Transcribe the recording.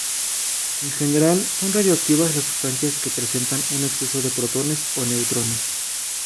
En general son radiactivas las sustancias que presentan un exceso de protones o neutrones.